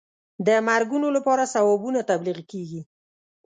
د مرګونو لپاره ثوابونه تبلیغ کېږي.